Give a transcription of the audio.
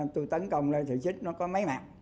tôi tấn công lên thị trích nó có mấy mặt